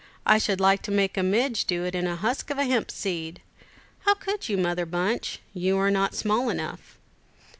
I should like to make a midge do it in a husk of hemp seed! How could you, Mother Bunch? You are not small enough."